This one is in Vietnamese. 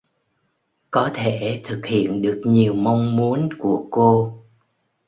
Có thể thực hiện được nhiều mong muốn của cô